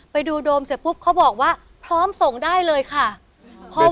ไปดูโดมเสร็จปุ๊บเขาบอกว่าพร้อมส่งได้เลยค่ะเพราะว่า